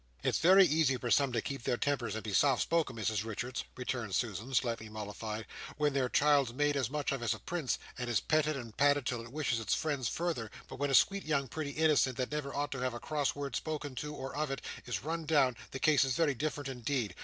"It's very easy for some to keep their tempers, and be soft spoken, Mrs Richards," returned Susan, slightly mollified, "when their child's made as much of as a prince, and is petted and patted till it wishes its friends further, but when a sweet young pretty innocent, that never ought to have a cross word spoken to or of it, is rundown, the case is very different indeed.